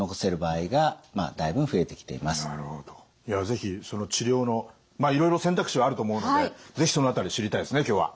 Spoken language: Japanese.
是非その治療のいろいろ選択肢はあると思うので是非その辺り知りたいですね今日は。